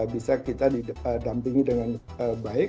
bisa kita didampingi dengan baik